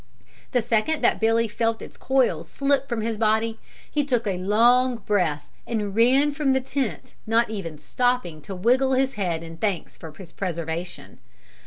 The second that Billy felt its coils slip from his body, he took a long breath and ran from the tent not even stopping to wiggle his head in thanks for his preservation.